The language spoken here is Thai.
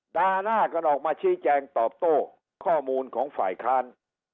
ด่าหน้ากันออกมาชี้แจงตอบโต้ข้อมูลของฝ่ายค้าน